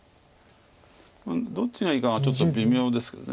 どっちがいいかがちょっと微妙ですけど。